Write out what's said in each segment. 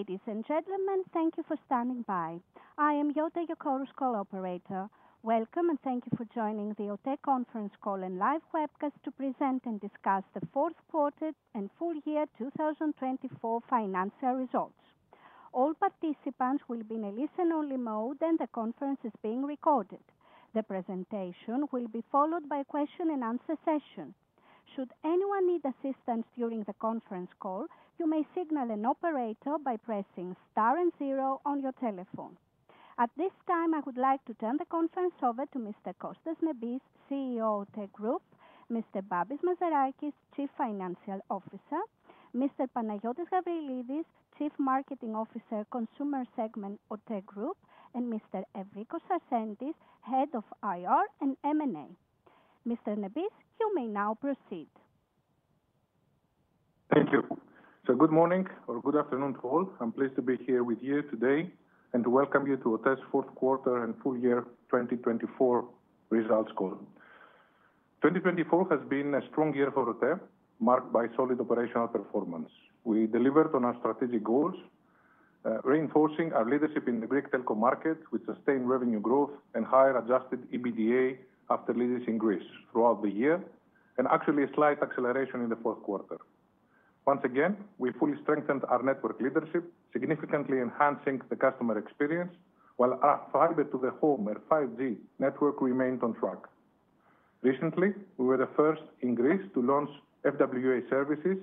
Ladies and gentlemen, thank you for standing by. I am your teleconference call operator. Welcome, and thank you for joining the OTE Group conference call and live webcast to present and discuss the fourth quarter and full year 2024 financial results. All participants will be in a listen-only mode, and the conference is being recorded. The presentation will be followed by a question-and-answer session. Should anyone need assistance during the conference call, you may signal an operator by pressing star and zero on your telephone. At this time, I would like to turn the conference over to Mr. Kostas Nebis, CEO of OTE Group, Mr. Babis Mazarakis, Chief Financial Officer, Mr. Panayiotis Gabrielides, Chief Marketing Officer, Consumer Segment, OTE Group, and Mr. Evrikos Sarsentis, Head of IR and M&A. Mr. Nebis, you may now proceed. Thank you. So, good morning or good afternoon to all. I'm pleased to be here with you today and to welcome you to OTE's fourth quarter and full year 2024 results call. 2024 has been a strong year for OTE, marked by solid operational performance. We delivered on our strategic goals, reinforcing our leadership in the Greek telco market with sustained revenue growth and higher adjusted EBITDA after leases in Greece throughout the year, and actually a slight acceleration in the fourth quarter. Once again, we fully strengthened our network leadership, significantly enhancing the customer experience, while our fiber-to-the-home or 5G network remained on track. Recently, we were the first in Greece to launch FWA services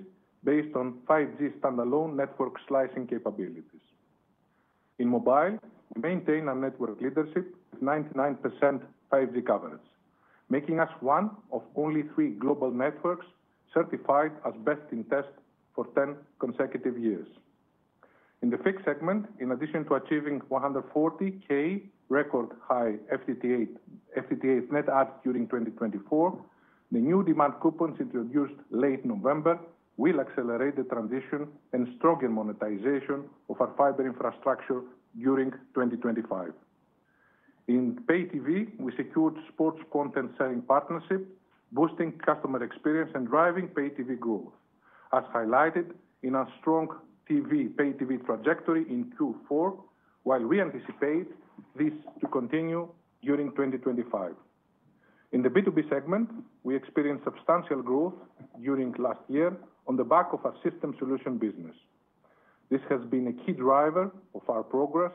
based on 5G standalone network slicing capabilities. In mobile, we maintain our network leadership with 99% 5G coverage, making us one of only three global networks certified as Best in Test for 10 consecutive years. In the fixed segment, in addition to achieving 140K record high FTTH net adds during 2024, the new demand coupons introduced late November will accelerate the transition and stronger monetization of our fiber infrastructure during 2025. In pay-TV, we secured sports content selling partnership, boosting customer experience and driving pay-TV growth, as highlighted in our strong TV pay-TV trajectory in Q4, while we anticipate this to continue during 2025. In the B2B segment, we experienced substantial growth during last year on the back of our System Solutions business. This has been a key driver of our progress,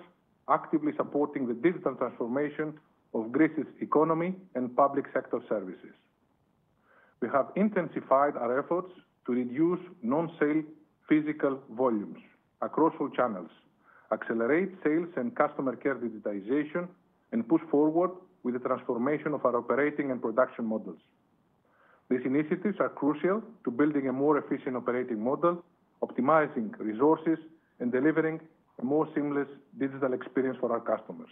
actively supporting the digital transformation of Greece's economy and public sector services. We have intensified our efforts to reduce non-sale physical volumes across all channels, accelerate sales and customer care digitization, and push forward with the transformation of our operating and production models. These initiatives are crucial to building a more efficient operating model, optimizing resources, and delivering a more seamless digital experience for our customers.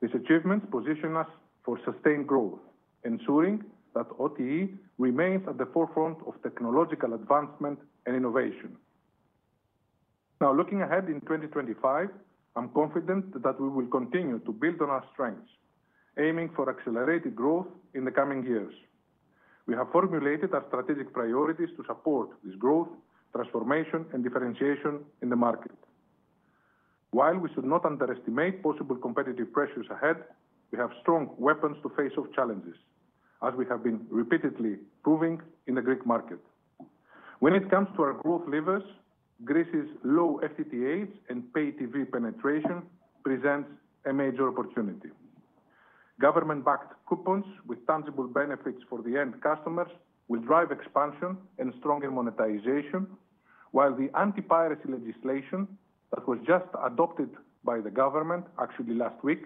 These achievements position us for sustained growth, ensuring that OTE remains at the forefront of technological advancement and innovation. Now, looking ahead in 2025, I'm confident that we will continue to build on our strengths, aiming for accelerated growth in the coming years. We have formulated our strategic priorities to support this growth, transformation, and differentiation in the market. While we should not underestimate possible competitive pressures ahead, we have strong weapons to face off challenges, as we have been repeatedly proving in the Greek market. When it comes to our growth levers, Greece's low FTTH and pay-TV penetration presents a major opportunity. Government-backed coupons with tangible benefits for the end customers will drive expansion and stronger monetization, while the anti-piracy legislation that was just adopted by the government, actually last week,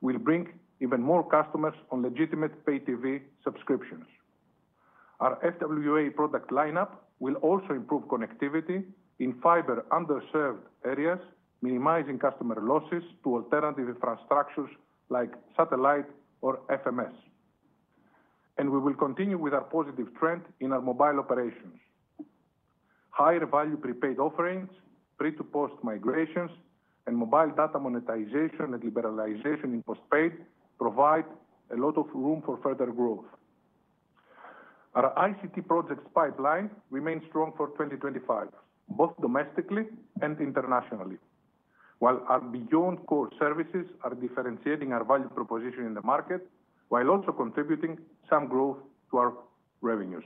will bring even more customers on legitimate pay-TV subscriptions. Our FWA product lineup will also improve connectivity in fiber underserved areas, minimizing customer losses to alternative infrastructures like satellite or FMS, and we will continue with our positive trend in our mobile operations. Higher value prepaid offerings, pre-to-post migrations, and mobile data monetization and liberalization in postpaid provide a lot of room for further growth. Our ICT projects pipeline remains strong for 2025, both domestically and internationally, while our beyond-core services are differentiating our value proposition in the market, while also contributing some growth to our revenues.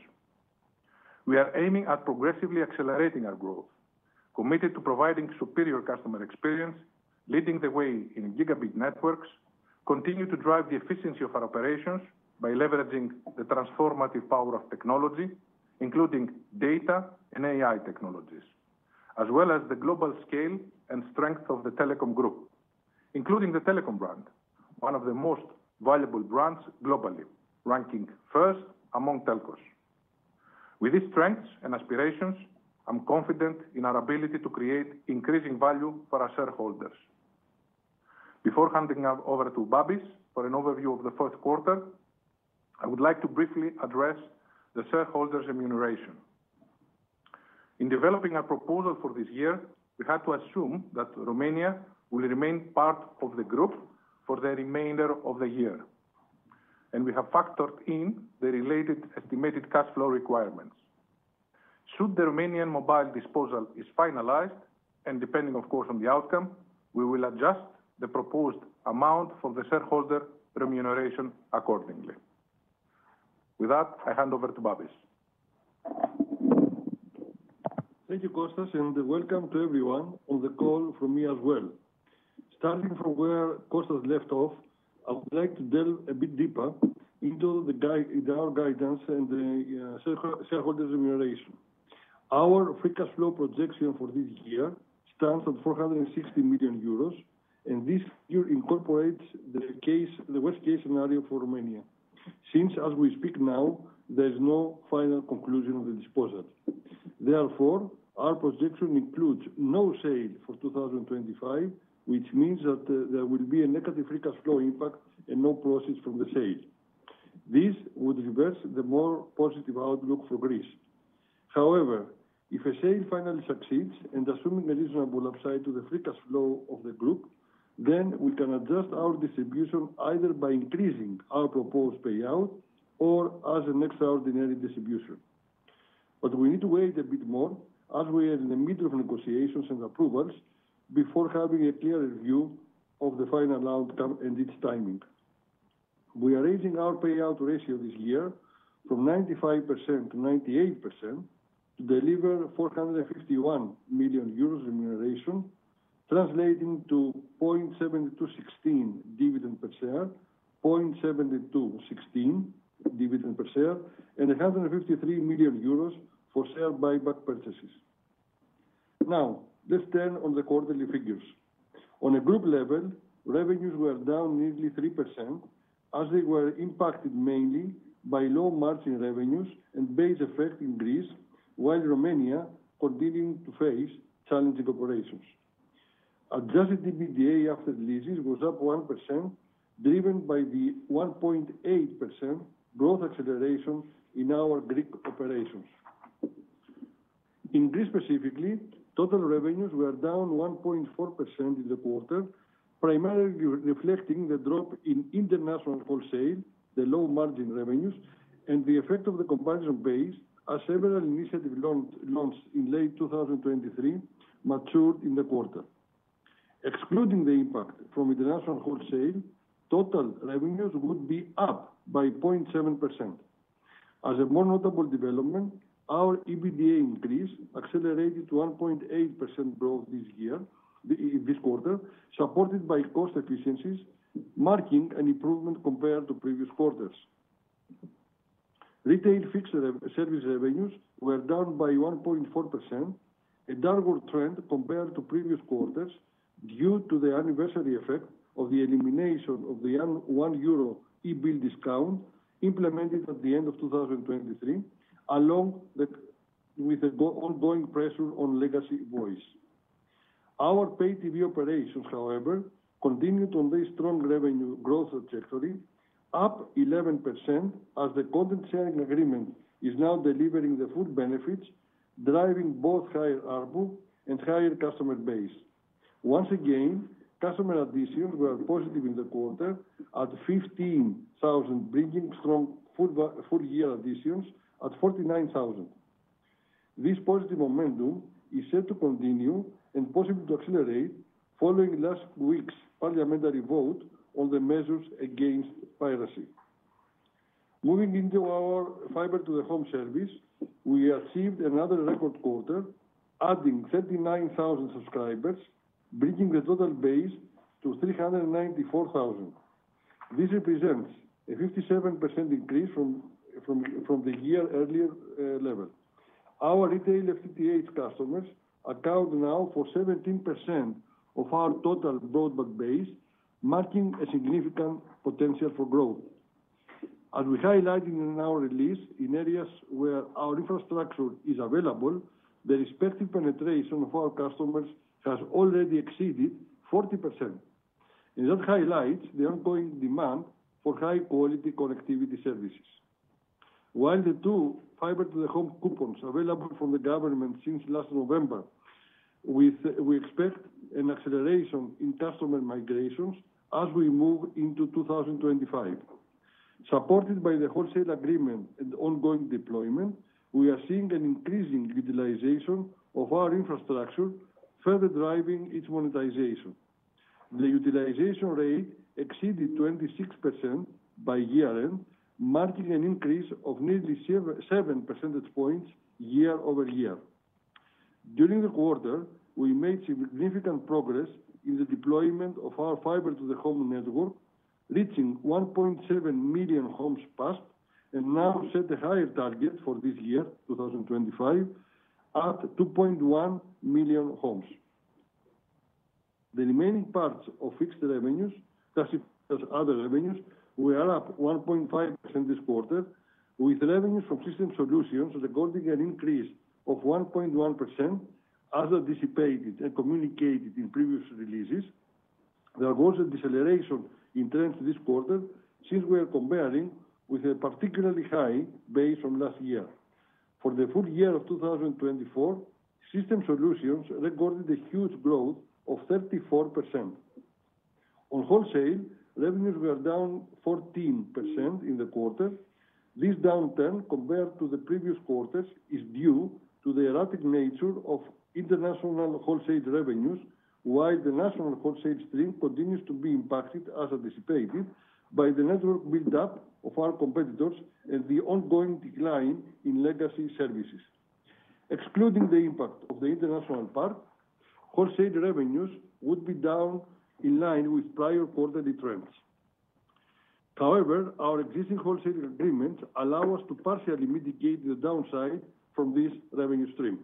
We are aiming at progressively accelerating our growth, committed to providing superior customer experience, leading the way in gigabit networks, continue to drive the efficiency of our operations by leveraging the transformative power of technology, including data and AI technologies, as well as the global scale and strength of the Telekom Group, including the Telekom brand, one of the most valuable brands globally, ranking first among telcos. With these strengths and aspirations, I'm confident in our ability to create increasing value for our shareholders. Before handing over to Babis for an overview of the fourth quarter, I would like to briefly address the shareholders' remuneration. In developing our proposal for this year, we had to assume that Romania will remain part of the group for the remainder of the year, and we have factored in the related estimated cash flow requirements. Should the Romanian mobile disposal be finalized, and depending, of course, on the outcome, we will adjust the proposed amount for the shareholder remuneration accordingly. With that, I hand over to Babis. Thank you, Kostas, and welcome to everyone on the call from me as well. Starting from where Kostas left off, I would like to delve a bit deeper into our guidance and the shareholders' remuneration. Our free cash flow projection for this year stands at 460 million euros, and this year incorporates the worst-case scenario for Romania since, as we speak now, there is no final conclusion of the disposal. Therefore, our projection includes no sale for 2025, which means that there will be a negative free cash flow impact and no profits from the sale. This would reverse the more positive outlook for Greece. However, if a sale finally succeeds, and assuming a reasonable upside to the free cash flow of the group, then we can adjust our distribution either by increasing our proposed payout or as an extraordinary distribution. But we need to wait a bit more, as we are in the middle of negotiations and approvals, before having a clearer view of the final outcome and its timing. We are raising our payout ratio this year from 95% to 98% to deliver 451 million euros remuneration, translating to 0.7216 dividend per share, 0.7216 dividend per share, and 153 million euros for share buyback purchases. Now, let's turn on the quarterly figures. On a group level, revenues were down nearly 3%, as they were impacted mainly by low margin revenues and base effect in Greece, while Romania continuing to face challenging operations. Adjusted EBITDA after leases was up 1%, driven by the 1.8% growth acceleration in our Greek operations. In Greece specifically, total revenues were down 1.4% in the quarter, primarily reflecting the drop in international wholesale, the low margin revenues, and the effect of the comparison base as several initiatives launched in late 2023 matured in the quarter. Excluding the impact from international wholesale, total revenues would be up by 0.7%. As a more notable development, our EBITDA increase accelerated to 1.8% growth this quarter, supported by cost efficiencies, marking an improvement compared to previous quarters. Retail fixed service revenues were down by 1.4%, a downward trend compared to previous quarters due to the anniversary effect of the elimination of the one euro e-Bill discount implemented at the end of 2023, along with the ongoing pressure on legacy voice. Our pay-TV operations, however, continued on this strong revenue growth trajectory, up 11% as the content sharing agreement is now delivering the full benefits, driving both higher ARPU and higher customer base. Once again, customer additions were positive in the quarter, at 15,000, bringing strong full year additions at 49,000. This positive momentum is set to continue and possibly to accelerate following last week's parliamentary vote on the measures against piracy. Moving into our fiber-to-the-home service, we achieved another record quarter, adding 39,000 subscribers, bringing the total base to 394,000. This represents a 57% increase from the year earlier level. Our retail FTTH customers account now for 17% of our total broadband base, marking a significant potential for growth. As we highlighted in our release, in areas where our infrastructure is available, the respective penetration of our customers has already exceeded 40%. And that highlights the ongoing demand for high-quality connectivity services. While the two fiber-to-the-home coupons available from the government since last November, we expect an acceleration in customer migrations as we move into 2025. Supported by the wholesale agreement and ongoing deployment, we are seeing an increasing utilization of our infrastructure, further driving its monetization. The utilization rate exceeded 26% by year-end, marking an increase of nearly 7 percentage points year over year. During the quarter, we made significant progress in the deployment of our fiber-to-the-home network, reaching 1.7 million homes passed and now set a higher target for this year, 2025, at 2.1 million homes. The remaining parts of fixed revenues, classified as other revenues, were up 1.5% this quarter, with revenues from System Solutions recording an increase of 1.1%, as I indicated and communicated in previous releases. There was a deceleration in trends this quarter since we are comparing with a particularly high base from last year. For the full year of 2024, System Solutions recorded a huge growth of 34%. On wholesale, revenues were down 14% in the quarter. This downturn, compared to the previous quarters, is due to the erratic nature of international wholesale revenues, while the national wholesale stream continues to be impacted, as I said earlier, by the network build-up of our competitors and the ongoing decline in legacy services. Excluding the impact of the international part, wholesale revenues would be down in line with prior quarterly trends. However, our existing wholesale agreements allow us to partially mitigate the downside from this revenue stream.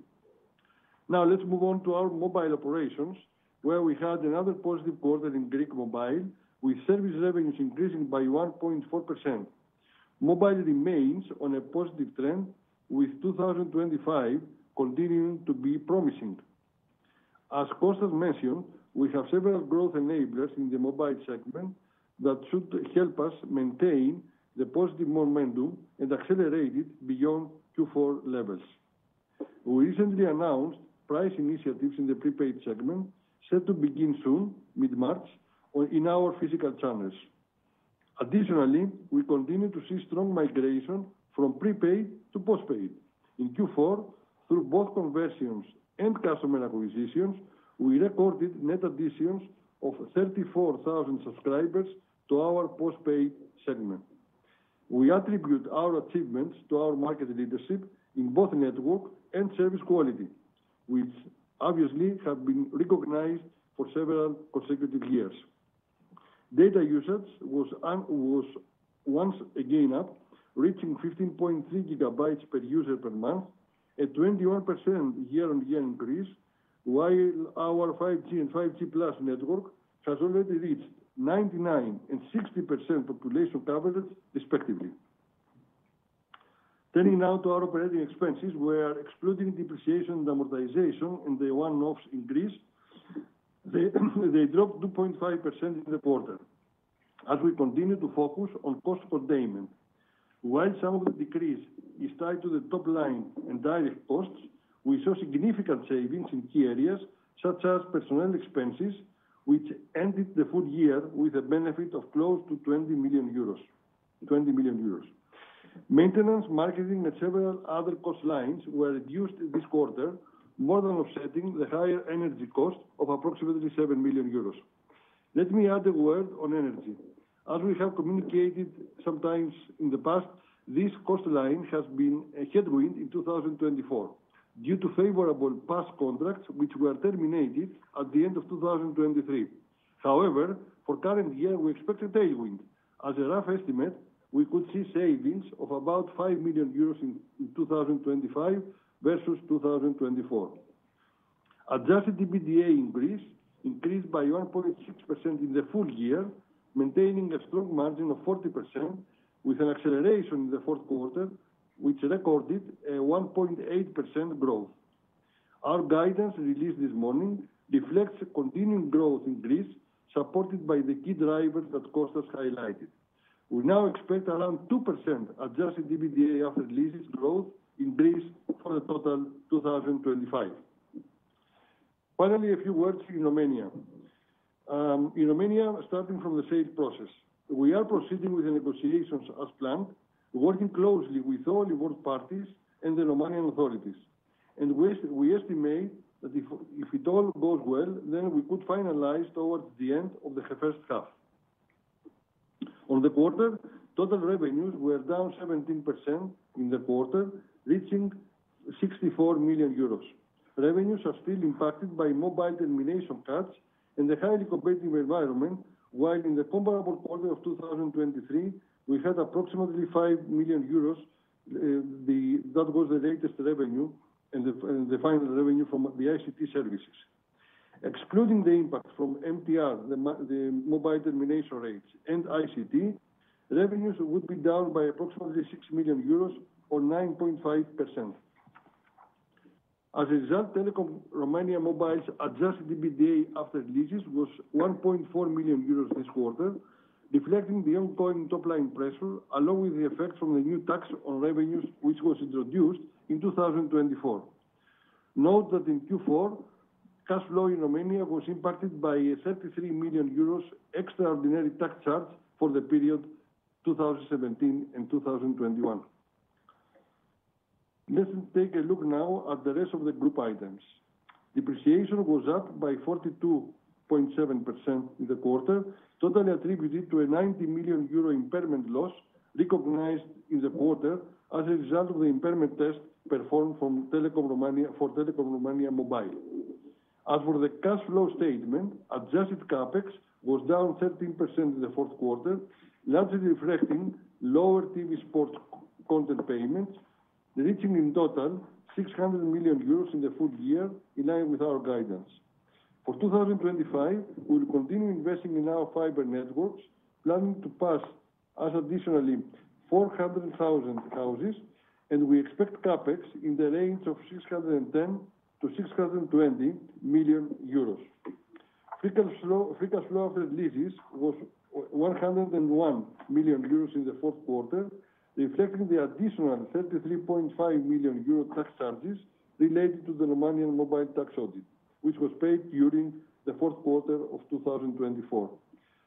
Now, let's move on to our mobile operations, where we had another positive quarter in Greek mobile, with service revenues increasing by 1.4%. Mobile remains on a positive trend, with 2025 continuing to be promising. As Kostas mentioned, we have several growth enablers in the mobile segment that should help us maintain the positive momentum and accelerate it beyond Q4 levels. We recently announced price initiatives in the prepaid segment, set to begin soon, mid-March, in our physical channels. Additionally, we continue to see strong migration from prepaid to postpaid. In Q4, through both conversions and customer acquisitions, we recorded net additions of 34,000 subscribers to our postpaid segment. We attribute our achievements to our market leadership in both network and service quality, which obviously have been recognized for several consecutive years. Data usage was once again up, reaching 15.3 gigabytes per user per month, a 21% year-on-year increase, while our 5G and 5G+ network has already reached 99% and 60% population coverage, respectively. Turning now to our operating expenses, we are excluding depreciation and amortization in the one-offs in Greece. They dropped 2.5% in the quarter, as we continue to focus on cost containment. While some of the decrease is tied to the top line and direct costs, we saw significant savings in key areas such as personnel expenses, which ended the full year with a benefit of close to 20 million euros. Maintenance, marketing, and several other cost lines were reduced this quarter, more than offsetting the higher energy cost of approximately 7 million euros. Let me add a word on energy. As we have communicated sometimes in the past, this cost line has been a headwind in 2024 due to favorable past contracts, which were terminated at the end of 2023. However, for the current year, we expect a tailwind. As a rough estimate, we could see savings of about 5 million euros in 2025 versus 2024. Adjusted EBITDA increased by 1.6% in the full year, maintaining a strong margin of 40%, with an acceleration in the fourth quarter, which recorded a 1.8% growth. Our guidance released this morning reflects continuing growth in Greece, supported by the key drivers that Kostas highlighted. We now expect around 2% adjusted EBITDA after leases growth in Greece for the total 2025. Finally, a few words in Romania. In Romania, starting from the sales process, we are proceeding with the negotiations as planned, working closely with all involved parties and the Romanian authorities. And we estimate that if it all goes well, then we could finalize towards the end of the first half. On the quarter, total revenues were down 17% in the quarter, reaching 64 million euros. Revenues are still impacted by mobile termination cuts and the highly competitive environment, while in the comparable quarter of 2023, we had approximately 5 million euros. That was the latest revenue and the final revenue from the ICT services. Excluding the impact from MTR, the mobile termination rates, and ICT, revenues would be down by approximately 6 million euros or 9.5%. As a result, Telekom Romania Mobile's adjusted EBITDA after leases was 1.4 million euros this quarter, reflecting the ongoing top line pressure, along with the effect from the new tax on revenues, which was introduced in 2024. Note that in Q4, cash flow in Romania was impacted by a 33 million euros extraordinary tax charge for the period 2017 and 2021. Let's take a look now at the rest of the group items. Depreciation was up by 42.7% in the quarter, totally attributed to a 90 million euro impairment loss recognized in the quarter as a result of the impairment test performed for Telekom Romania Mobile. As for the cash flow statement, adjusted CapEx was down 13% in the fourth quarter, largely reflecting lower TV sports content payments, reaching in total 600 million euros in the full year, in line with our guidance. For 2025, we will continue investing in our fiber networks, planning to pass an additional 400,000 houses, and we expect CapEx in the range of 610-620 million euros. Free cash flow after leases was 101 million euros in the fourth quarter, reflecting the additional 33.5 million euro tax charges related to the Romanian mobile tax audit, which was paid during the fourth quarter of 2024.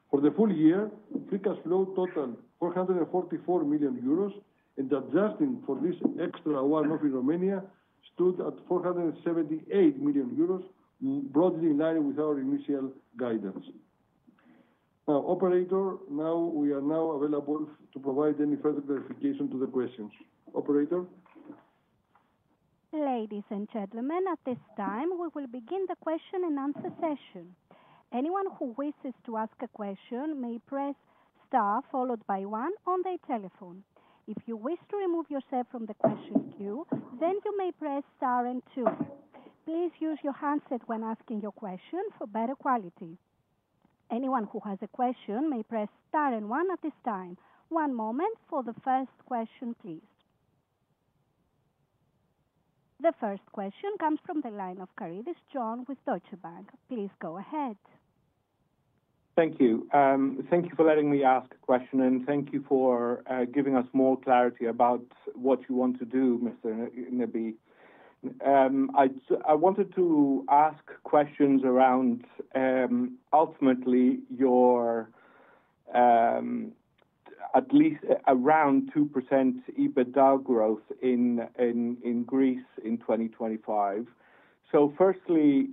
For the full year, free cash flow totaled 444 million euros, and adjusting for this extra one-off in Romania stood at 478 million euros, broadly in line with our initial guidance. Now, Operator, we are available to provide any further clarification to the questions. Operator. Ladies and gentlemen, at this time, we will begin the question and answer session. Anyone who wishes to ask a question may press star followed by one on their telephone. If you wish to remove yourself from the question queue, then you may press star and two. Please use your handset when asking your question for better quality. Anyone who has a question may press star and one at this time. One moment for the first question, please. The first question comes from the line of Karidis, John with Deutsche Bank. Please go ahead. Thank you. Thank you for letting me ask a question, and thank you for giving us more clarity about what you want to do, Mr. Nebis. I wanted to ask questions around ultimately your at least around 2% EBITDA growth in Greece in 2025. So firstly,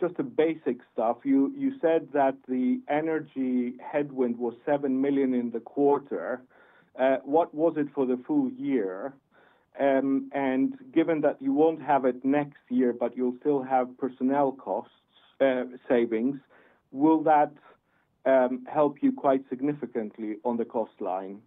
just the basic stuff. You said that the energy headwind was 7 million in the quarter. What was it for the full year? And given that you won't have it next year, but you'll still have personnel costs savings, will that help you quite significantly on the cost line?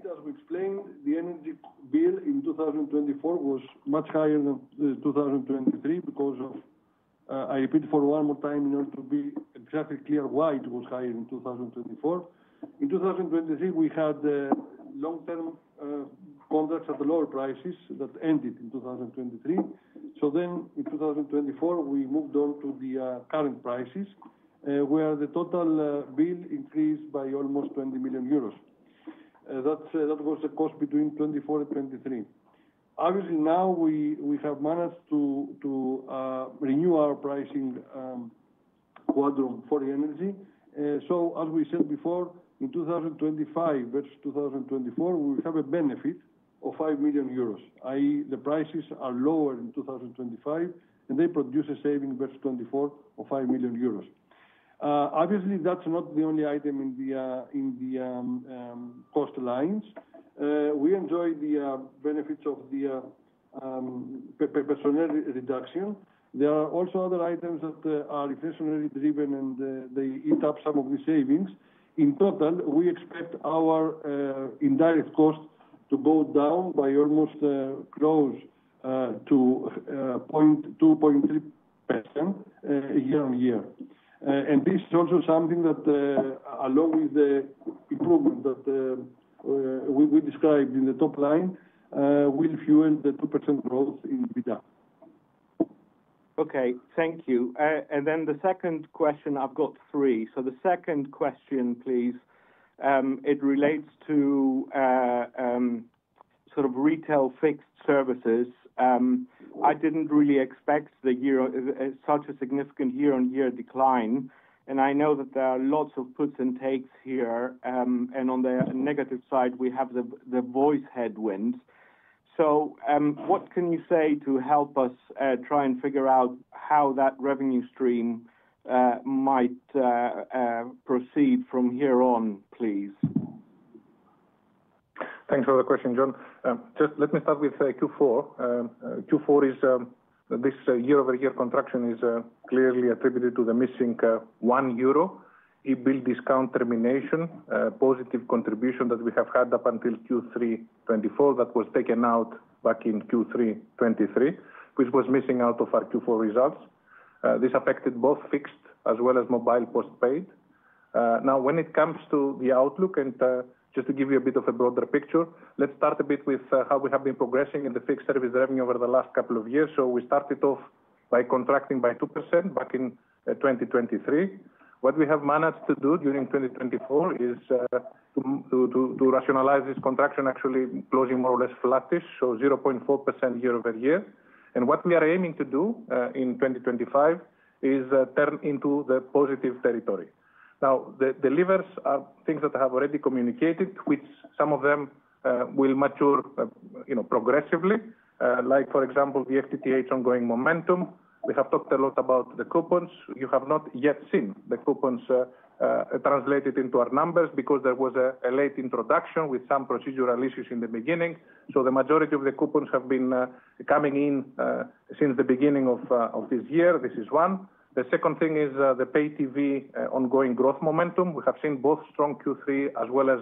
Just to thank you for the question. Indeed, as we explained, the energy bill in 2024 was much higher than 2023 because of, I repeat for one more time in order to be exactly clear why it was higher in 2024. In 2023, we had long-term contracts at the lower prices that ended in 2023. So then in 2024, we moved on to the current prices, where the total bill increased by almost 20 million euros. That was the cost between 24 and 23. Obviously, now we have managed to renew our pricing contracts for the energy. So as we said before, in 2025 versus 2024, we have a benefit of 5 million euros, i.e., the prices are lower in 2025, and they produce a saving versus 24 of 5 million euros. Obviously, that's not the only item in the cost lines. We enjoy the benefits of the personnel reduction. There are also other items that are inflationary driven, and they eat up some of the savings. In total, we expect our indirect cost to go down by almost close to 0.2-0.3% year on year. This is also something that, along with the improvement that we described in the top line, will fuel the 2% growth in EBITDA. Okay. Thank you. And then the second question, I've got three. So the second question, please. It relates to sort of retail fixed services. I didn't really expect such a significant year-on-year decline. And I know that there are lots of puts and takes here. And on the negative side, we have the voice headwinds. So what can you say to help us try and figure out how that revenue stream might proceed from here on, please? Thanks for the question, John. Just let me start with Q4. The Q4 year-over-year contraction is clearly attributed to the missing 1 euro EBITDA AL discount termination, a positive contribution that we have had up until Q3 2024 that was taken out back in Q3 2023, which was missing out of our Q4 results. This affected both fixed as well as mobile postpaid. Now, when it comes to the outlook, and just to give you a bit of a broader picture, let's start a bit with how we have been progressing in the fixed service revenue over the last couple of years, so we started off by contracting by 2% back in 2023. What we have managed to do during 2024 is to rationalize this contraction, actually closing more or less flattish, so 0.4% year-over-year. And what we are aiming to do in 2025 is turn into the positive territory. Now, the levers are things that I have already communicated, which some of them will mature progressively, like, for example, the FTTH ongoing momentum. We have talked a lot about the coupons. You have not yet seen the coupons translated into our numbers because there was a late introduction with some procedural issues in the beginning. So the majority of the coupons have been coming in since the beginning of this year. This is one. The second thing is the pay TV ongoing growth momentum. We have seen both strong Q3 as well as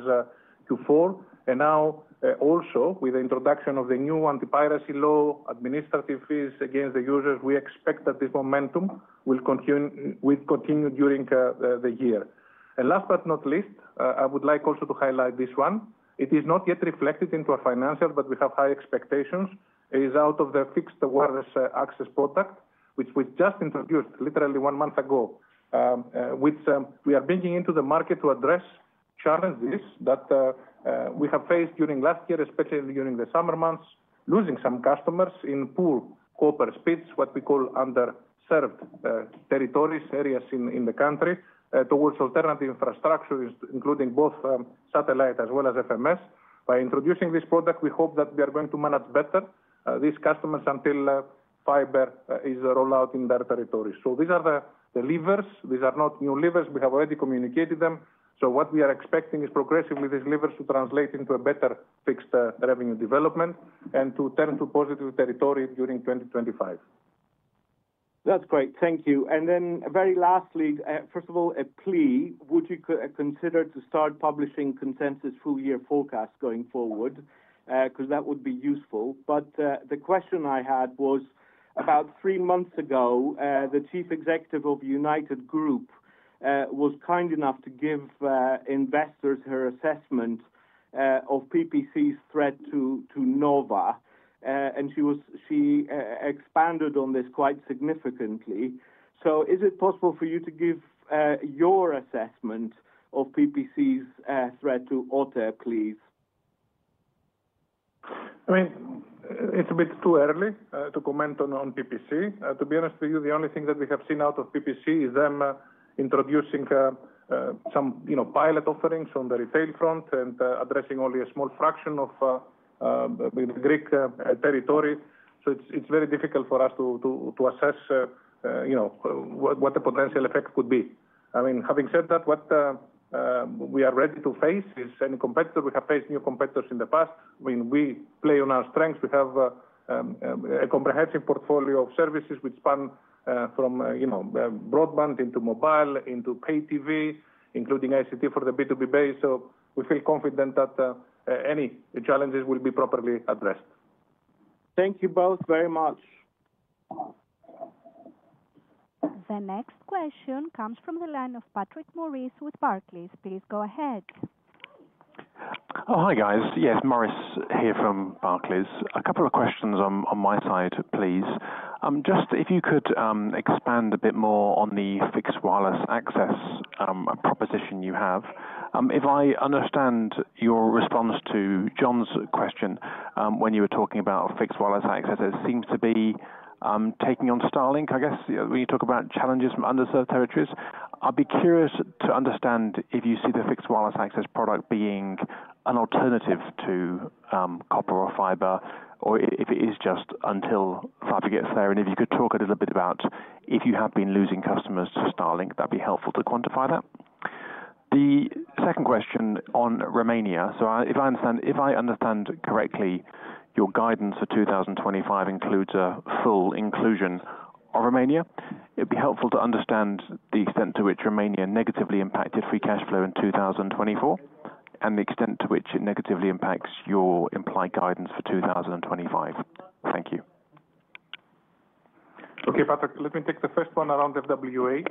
Q4. And now, also with the introduction of the new anti-piracy law, administrative fees against the users, we expect that this momentum will continue during the year. And last but not least, I would like also to highlight this one. It is not yet reflected into our financials, but we have high expectations. It is out of the fixed wireless access product, which we just introduced literally one month ago, which we are bringing into the market to address challenges that we have faced during last year, especially during the summer months, losing some customers in poor copper splits, what we call underserved territories, areas in the country towards alternative infrastructure, including both satellite as well as FMS. By introducing this product, we hope that we are going to manage better these customers until fiber is rolled out in their territories. So these are the levers. These are not new levers. We have already communicated them. So what we are expecting is progressively these levers to translate into a better fixed revenue development and to turn to positive territory during 2025. That's great. Thank you. Then very lastly, first of all, a plea: would you consider starting to publish consensus full-year forecasts going forward? Because that would be useful. But the question I had was about three months ago, the Chief Executive of United Group was kind enough to give investors her assessment of PPC's threat to Nova. And she expanded on this quite significantly. So is it possible for you to give your assessment of PPC's threat to OTE, please? I mean, it's a bit too early to comment on PPC. To be honest with you, the only thing that we have seen out of PPC is them introducing some pilot offerings on the retail front and addressing only a small fraction of the Greek territory. So it's very difficult for us to assess what the potential effect could be. I mean, having said that, what we are ready to face is any competitor. We have faced new competitors in the past. I mean, we play on our strengths. We have a comprehensive portfolio of services which span from broadband into mobile, into pay-TV, including ICT for the B2B base. So we feel confident that any challenges will be properly addressed. Thank you both very much. The next question comes from the line of Patrick, Maurice with Barclays. Please go ahead. Hi guys. Yes, Maurice here from Barclays. A couple of questions on my side, please. Just if you could expand a bit more on the fixed wireless access proposition you have. If I understand your response to John's question when you were talking about fixed wireless access, it seems to be taking on Starlink, I guess, when you talk about challenges from underserved territories. I'd be curious to understand if you see the fixed wireless access product being an alternative to copper or fiber, or if it is just until fiber gets there, and if you could talk a little bit about if you have been losing customers to Starlink, that'd be helpful to quantify that. The second question on Romania, so if I understand correctly, your guidance for 2025 includes a full inclusion of Romania. It'd be helpful to understand the extent to which Romania negatively impacted free cash flow in 2024 and the extent to which it negatively impacts your implied guidance for 2025. Thank you. Okay, Patrick, let me take the first one around FWA,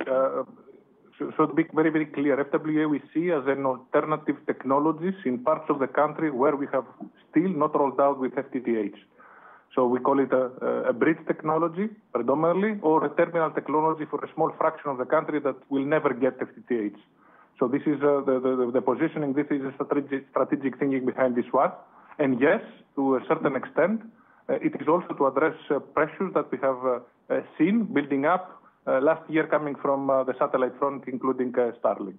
so to be very, very clear, FWA we see as an alternative technology in parts of the country where we have still not rolled out with FTTH. So we call it a bridge technology predominantly or a terminal technology for a small fraction of the country that will never get FTTH. So this is the positioning. This is the strategic thinking behind this one. And yes, to a certain extent, it is also to address pressures that we have seen building up last year coming from the satellite front, including Starlink.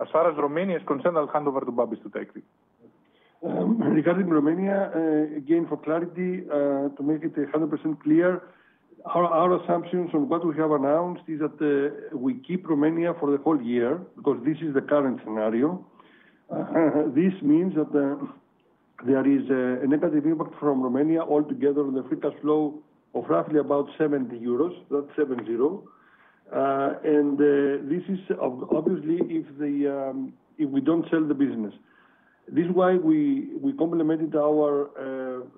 As far as Romania is concerned, I'll hand over to Babis to take it. Regarding Romania, again, for clarity, to make it 100% clear, our assumptions on what we have announced is that we keep Romania for the whole year because this is the current scenario. This means that there is a negative impact from Romania altogether on the free cash flow of roughly about 70 euros. That's 70. And this is obviously if we don't sell the business. This is why we complemented our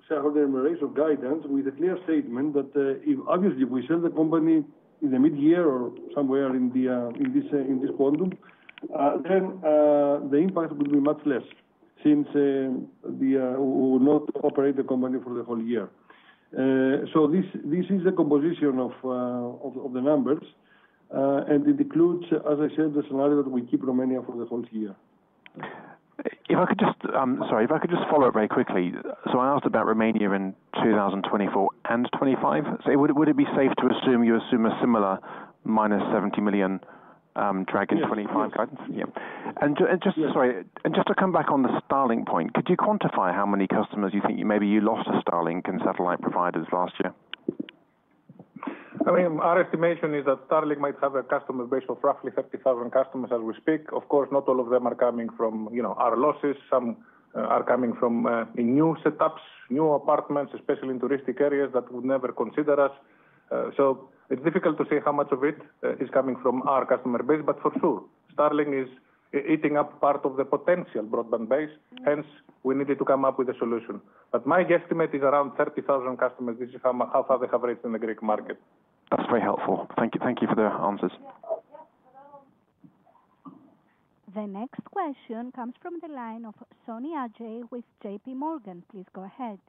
guidance with a clear statement that obviously if we sell the company in the mid-year or somewhere in this quarter, then the impact will be much less since we will not operate the company for the whole year. So this is the composition of the numbers. And it includes, as I said, the scenario that we keep Romania for the whole year. If I could just, sorry, if I could just follow up very quickly. So I asked about Romania in 2024 and 2025. So would it be safe to assume you assume a similar minus 70 million drag in 2025 guidance? Yes. And just to come back on the Starlink point, could you quantify how many customers you think maybe you lost to Starlink and satellite providers last year? I mean, our estimation is that Starlink might have a customer base of roughly 30,000 customers as we speak. Of course, not all of them are coming from our losses. Some are coming from new setups, new apartments, especially in touristic areas that would never consider us. So it's difficult to say how much of it is coming from our customer base, but for sure, Starlink is eating up part of the potential broadband base. Hence, we needed to come up with a solution. But my guesstimate is around 30,000 customers. This is how far they have reached in the Greek market. That's very helpful. Thank you for the answers. The next question comes from the line of Soni, Ajay with JP Morgan. Please go ahead.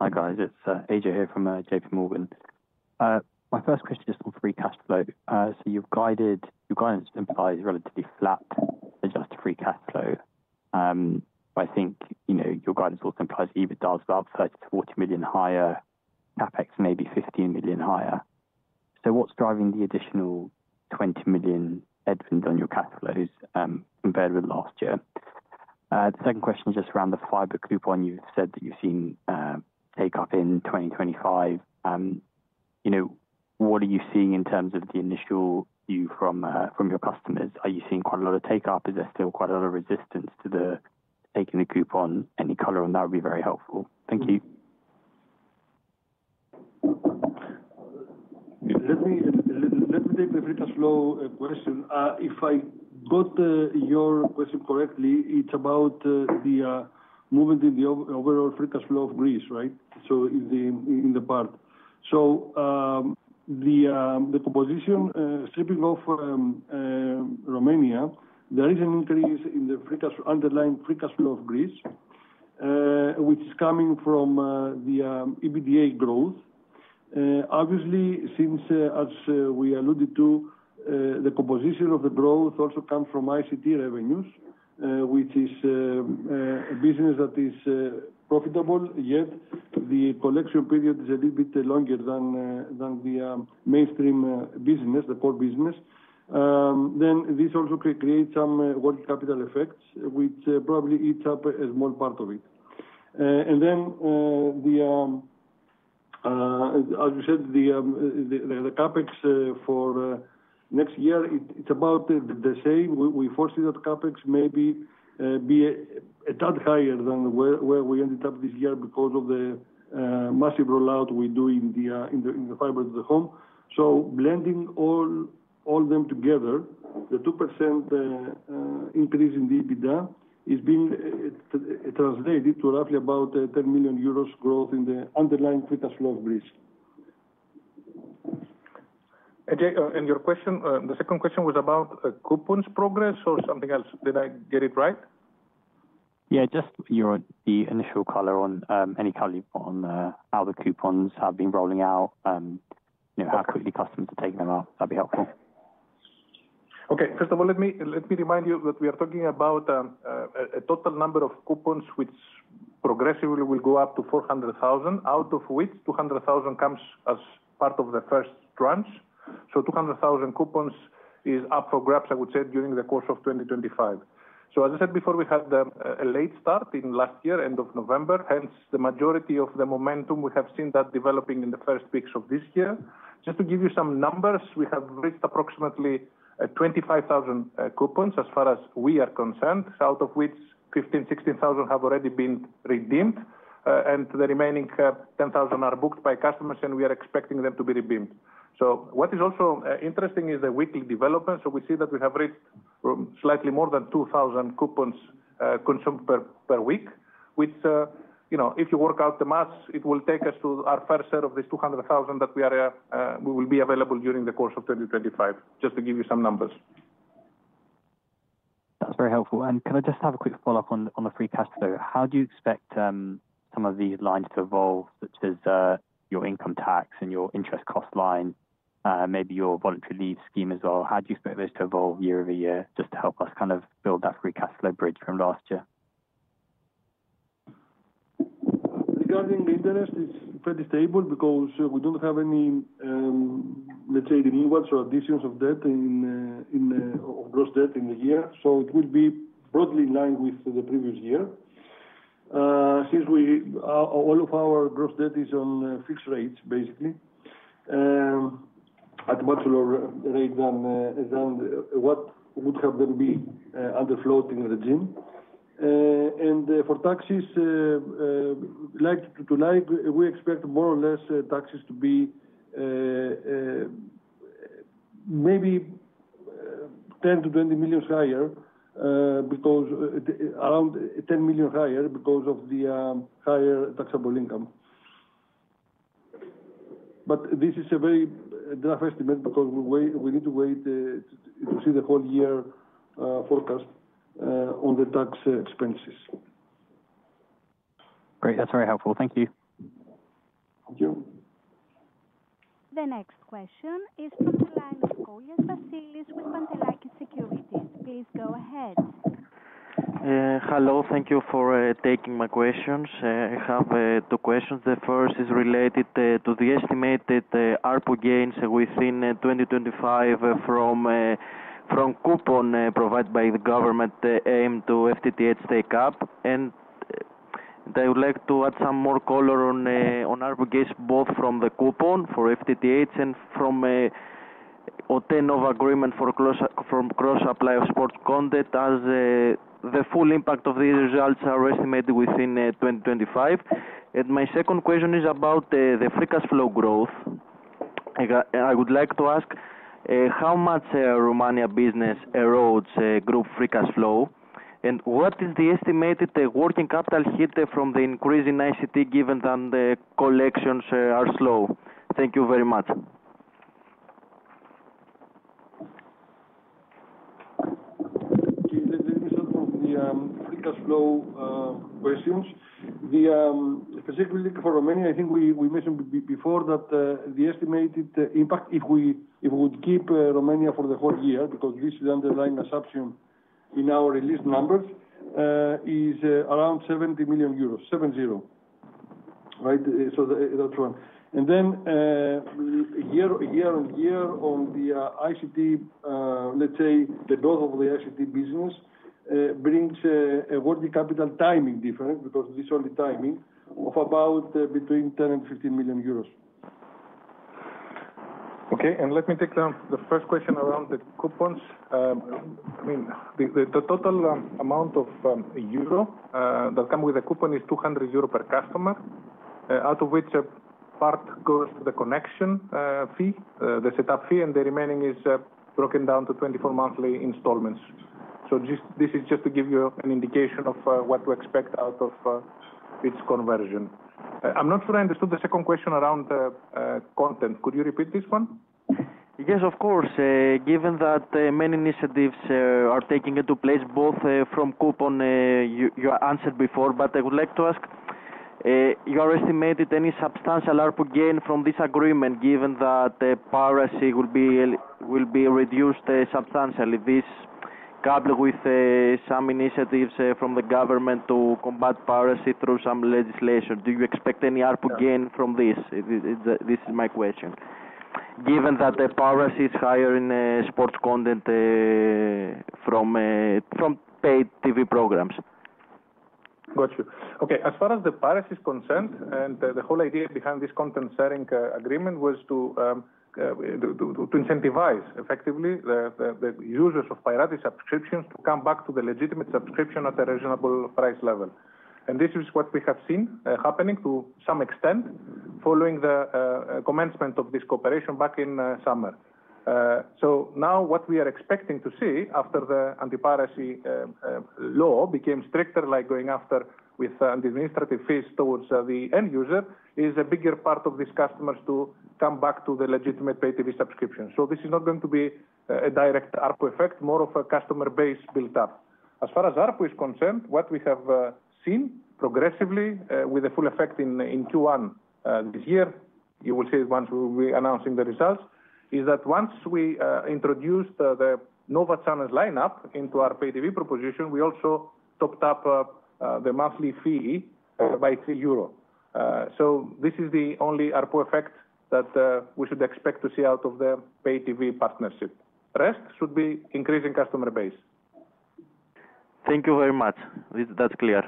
Hi guys. It's Ajay here from JPMorgan. My first question is on free cash flow. So your guidance implies relatively flat adjusted free cash flow. I think your guidance also implies EBITDA is about 30 million-40 million higher, CapEx maybe 15 million higher. So what's driving the additional 20 million in FCF on your cash flows compared with last year? The second question is just around the fiber coupon. You've said that you've seen take-up in 2025. What are you seeing in terms of the initial view from your customers? Are you seeing quite a lot of take-up? Is there still quite a lot of resistance to taking the coupon? Any color on that would be very helpful. Thank you. Let me take the free cash flow question. If I got your question correctly, it's about the movement in the overall free cash flow of Greece, right? So in the part. So the composition stripping off Romania, there is an increase in the underlying free cash flow of Greece, which is coming from the EBITDA growth. Obviously, since as we alluded to, the composition of the growth also comes from ICT revenues, which is a business that is profitable, yet the collection period is a little bit longer than the mainstream business, the core business. Then this also creates some working capital effects, which probably eats up a small part of it. And then, as you said, the CapEx for next year, it's about the same. We foresee that CapEx may be a tad higher than where we ended up this year because of the massive rollout we do in the fiber to the home. So blending all them together, the 2% increase in the EBITDA is being translated to roughly about 10 million euros growth in the underlying free cash flow of Greece. And your question, the second question was about coupons progress or something else. Did I get it right? Yeah, just your initial color on how the coupons have been rolling out, how quickly customers are taking them out. That'd be helpful. Okay. First of all, let me remind you that we are talking about a total number of coupons, which progressively will go up to 400,000, out of which 200,000 comes as part of the first tranche. So 200,000 coupons is up for grabs, I would say, during the course of 2025. So as I said before, we had a late start in last year, end of November. Hence, the majority of the momentum we have seen that developing in the first weeks of this year. Just to give you some numbers, we have reached approximately 25,000 coupons as far as we are concerned, out of which 15,000, 16,000 have already been redeemed, and the remaining 10,000 are booked by customers, and we are expecting them to be redeemed. So what is also interesting is the weekly development. So we see that we have reached slightly more than 2,000 coupons consumed per week, which if you work out the mass, it will take us to our first set of this 200,000 that we will be available during the course of 2025, just to give you some numbers. That's very helpful. And can I just have a quick follow-up on the free cash flow? How do you expect some of these lines to evolve, such as your income tax and your interest cost line, maybe your voluntary leave scheme as well? How do you expect those to evolve year over year, just to help us kind of build that free cash flow bridge from last year? Regarding the interest, it's pretty stable because we don't have any, let's say, the new ones or additions of debt or gross debt in the year. So it will be broadly in line with the previous year. Since all of our gross debt is on fixed rates, basically, at a much lower rate than what would have been under floating regime. And for taxes, like-for-like, we expect more or less taxes to be maybe 10-20 million higher because around 10 million higher because of the higher taxable income. But this is a very rough estimate because we need to wait to see the whole year forecast on the tax expenses. Great. That's very helpful. Thank you. Thank you. The next question is from the line of Kollias, Vasilis with Pantelakis Securities. Please go ahead. Hello. Thank you for taking my questions. I have two questions. The first is related to the estimated ARPU gains within 2025 from coupon provided by the government aimed to FTTH take-up. And I would like to add some more color on ARPU gains, both from the coupon for FTTH and from a Nova agreement from cross-supply of sports content, as the full impact of these results are estimated within 2025. And my second question is about the free cash flow growth. I would like to ask how much Romania business erodes group free cash flow, and what is the estimated working capital hit from the increase in ICT given that the collections are slow? Thank you very much. Okay. Let me start with the free cash flow questions. Specifically for Romania, I think we mentioned before that the estimated impact, if we would keep Romania for the whole year, because this is the underlying assumption in our release numbers, is around 70 million euros, 70, right? So that's one. And then year on year, on the ICT, let's say the growth of the ICT business brings a working capital timing difference because this is only timing of about between 10 million and 15 million euros. Okay. And let me take the first question around the coupons. I mean, the total amount of EUR 200 that comes with a coupon is 200 euro per customer, out of which a part goes to the connection fee, the setup fee, and the remaining is broken down to 24 monthly installments. So this is just to give you an indication of what to expect out of its conversion. I'm not sure I understood the second question around content. Could you repeat this one? Yes, of course. Given that many initiatives are taking into place, both from coupon you answered before, but I would like to ask, you are estimating any substantial ARPU gain from this agreement, given that piracy will be reduced substantially, this coupled with some initiatives from the government to combat piracy through some legislation. Do you expect any ARPU gain from this? This is my question. Given that the piracy is higher in sports content from paid TV programs. Got you. Okay. As far as the piracy is concerned, and the whole idea behind this content sharing agreement was to incentivize effectively the users of pirate subscriptions to come back to the legitimate subscription at a reasonable price level. And this is what we have seen happening to some extent following the commencement of this cooperation back in summer. So now what we are expecting to see after the anti-piracy law became stricter, like going after with administrative fees towards the end user, is a bigger part of these customers to come back to the legitimate paid TV subscriptions. So this is not going to be a direct ARPU effect, more of a customer base built up. As far as ARPU is concerned, what we have seen progressively with a full effect in Q1 this year, you will see it once we'll be announcing the results, is that once we introduced the Nova Channels lineup into our paid TV proposition, we also topped up the monthly fee by 3 euro. So this is the only ARPU effect that we should expect to see out of the paid TV partnership. Rest should be increasing customer base. Thank you very much. That's clear.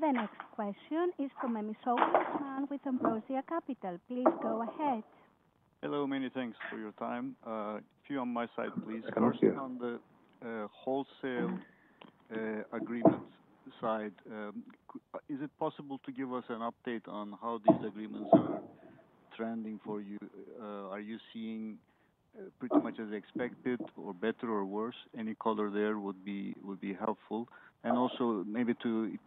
The next question is from Osman Memisoglu with Ambrosia Capital. Please go ahead. Hello. Many thanks for your time. Q on my side, please. On the wholesale agreement side, is it possible to give us an update on how these agreements are trending for you? Are you seeing pretty much as expected or better or worse? Any color there would be helpful. And also, maybe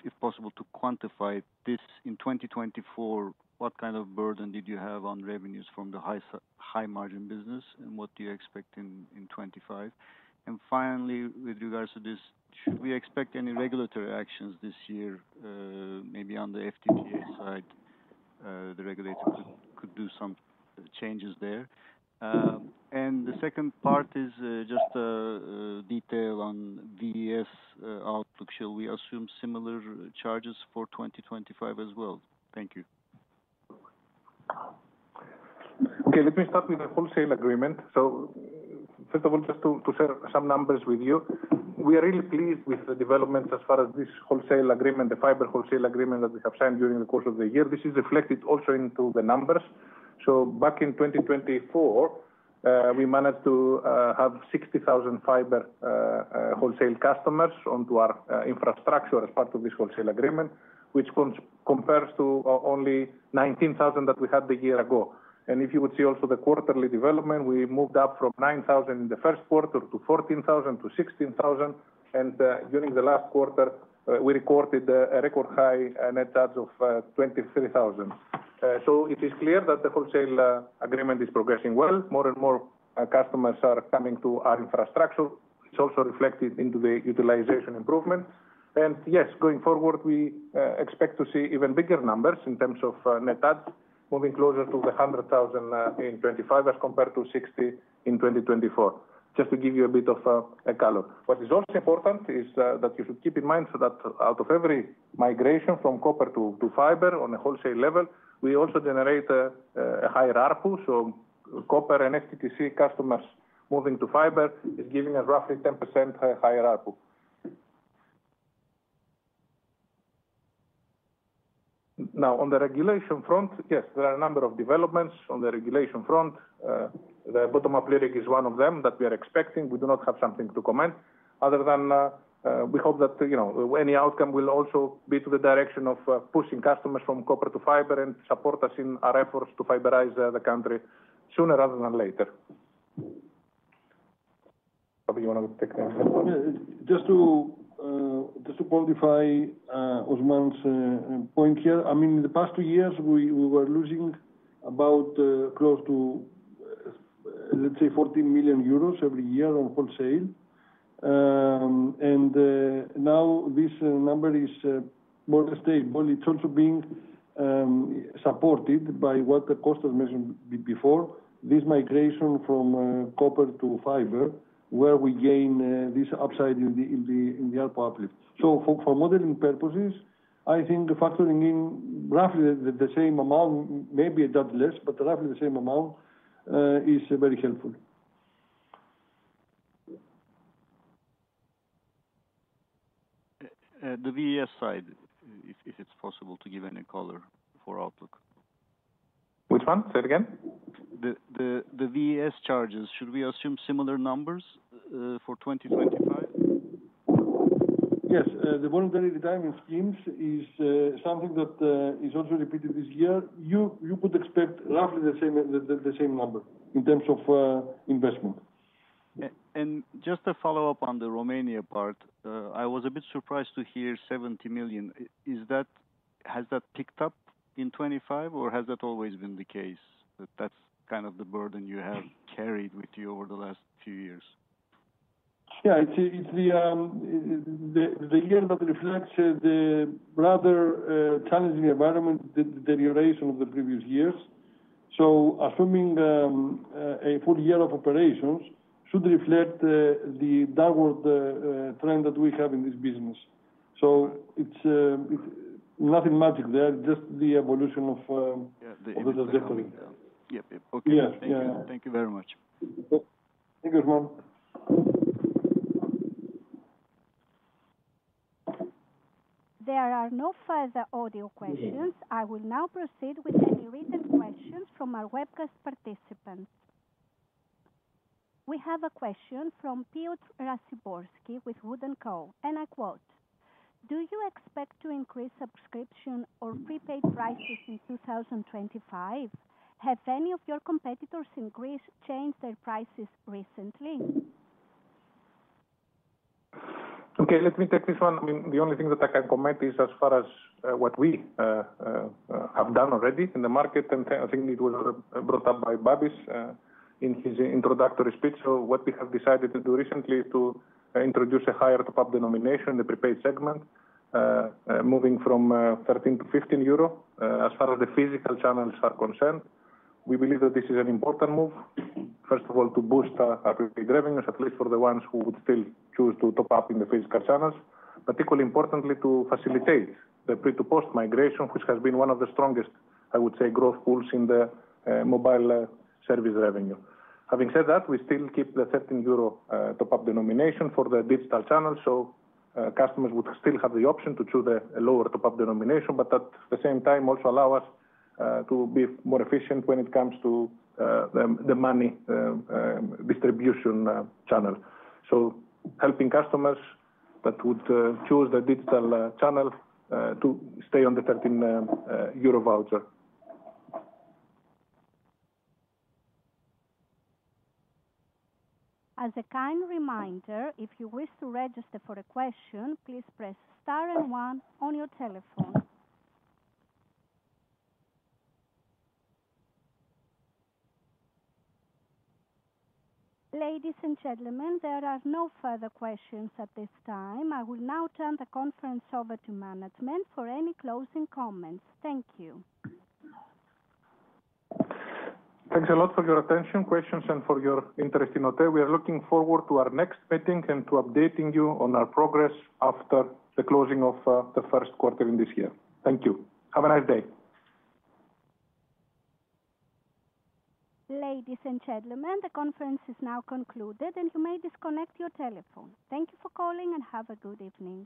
if possible, to quantify this in 2024, what kind of burden did you have on revenues from the high-margin business, and what do you expect in 2025? And finally, with regards to this, should we expect any regulatory actions this year, maybe on the FTTH side, the regulator could do some changes there? And the second part is just a detail on VES outlook. Shall we assume similar charges for 2025 as well? Thank you. Okay. Let me start with the wholesale agreement. So first of all, just to share some numbers with you. We are really pleased with the development as far as this wholesale agreement, the fiber wholesale agreement that we have signed during the course of the year. This is reflected also into the numbers. So back in 2024, we managed to have 60,000 fiber wholesale customers onto our infrastructure as part of this wholesale agreement, which compares to only 19,000 that we had a year ago. And if you would see also the quarterly development, we moved up from 9,000 in the first quarter to 14,000 to 16,000. And during the last quarter, we recorded a record high net adds of 23,000. So it is clear that the wholesale agreement is progressing well. More and more customers are coming to our infrastructure. It's also reflected into the utilization improvement. And yes, going forward, we expect to see even bigger numbers in terms of net adds, moving closer to the 100,000 in 2025 as compared to 60 in 2024, just to give you a bit of a color. What is also important is that you should keep in mind that out of every migration from copper to fiber on a wholesale level, we also generate a higher ARPU, so copper and FTTC customers moving to fiber is giving us roughly 10% higher ARPU. Now, on the regulation front, yes, there are a number of developments on the regulation front. The bottom-up LRIC is one of them that we are expecting. We do not have something to comment other than we hope that any outcome will also be to the direction of pushing customers from copper to fiber and support us in our efforts to fiberize the country sooner rather than later. Probably you want to take next question. Just to qualify Osman's point here, I mean, in the past two years, we were losing about close to, let's say, 14 million euros every year on wholesale. And now this number is more stable. It's also being supported by what Kostas has mentioned before, this migration from copper to fiber, where we gain this upside in the ARPU uplift. So for modeling purposes, I think factoring in roughly the same amount, maybe a tad less, but roughly the same amount is very helpful. The VES side, if it's possible to give any color for outlook. Which one? Say it again. The VES charges, should we assume similar numbers for 2025? Yes. The voluntary retirement schemes is something that is also repeated this year. You could expect roughly the same number in terms of investment. And just to follow up on the Romania part, I was a bit surprised to hear 70 million. Has that ticked up in 2025, or has that always been the case? That's kind of the burden you have carried with you over the last few years. Yeah. It's the year that reflects the rather challenging environment, the deterioration of the previous years. So assuming a full year of operations should reflect the downward trend that we have in this business. So it's nothing magic there, just the evolution of the decade. Yeah. Okay. Thank you. Thank you very much. Thank you, Osman. There are no further audio questions. I will now proceed with any written questions from our webcast participants. We have a question from Piotr Raciborski with WOOD & Co. And I quote, "Do you expect to increase subscription or prepaid prices in 2025? Have any of your competitors in Greece changed their prices recently?" Okay. Let me take this one. I mean, the only thing that I can comment is as far as what we have done already in the market, and I think it was brought up by Babis in his introductory speech, so what we have decided to do recently is to introduce a higher top-up denomination in the prepaid segment, moving from 13 to 15 euro as far as the physical channels are concerned. We believe that this is an important move, first of all, to boost our prepaid revenues, at least for the ones who would still choose to top up in the physical channels. But equally importantly, to facilitate the pre-to-post migration, which has been one of the strongest, I would say, growth pools in the mobile service revenue. Having said that, we still keep the 13 euro top-up denomination for the digital channel. So customers would still have the option to choose a lower top-up denomination, but at the same time, also allow us to be more efficient when it comes to the money distribution channel. So helping customers that would choose the digital channel to stay on the 13 euro voucher. As a kind reminder, if you wish to register for a question, please press star and one on your telephone. Ladies and gentlemen, there are no further questions at this time. I will now turn the conference over to management for any closing comments. Thank you. Thanks a lot for your attention, questions, and for your interest in OTE. We are looking forward to our next meeting and to updating you on our progress after the closing of the first quarter in this year. Thank you. Have a nice day. Ladies and gentlemen, the conference is now concluded, and you may disconnect your telephone. Thank you for calling and have a good evening.